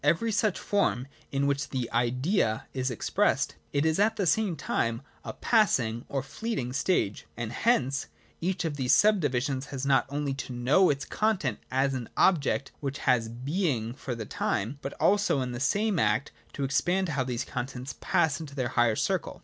Every such form in which the Idea is expressed, is at the same time a passing or fleeting stage : and hence each of these subdivisions has not only to know its contents as an object which has being for the time, but also in the same act to expound how these contents pass into their higher circle.